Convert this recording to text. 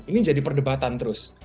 ini jadi perdebatan terus